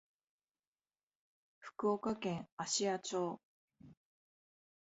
福岡県芦屋町